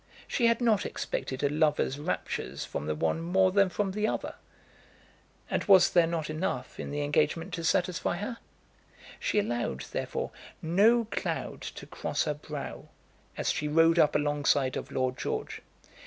She had not expected a lover's raptures from the one more than from the other. And was not there enough in the engagement to satisfy her? She allowed, therefore, no cloud to cross her brow as she rode up alongside of Lord George.